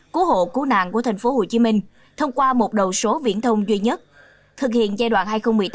cố hộ cố nạn của thành phố hồ chí minh thông qua một đầu số viễn thông duy nhất thực hiện giai đoạn hai nghìn một mươi tám hai nghìn một mươi chín